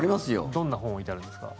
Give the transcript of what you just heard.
どんな本置いてあるんですか？